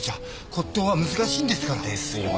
骨董は難しいんですから。ですよねぇ。